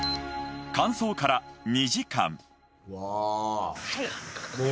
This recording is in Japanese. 乾燥から２時間。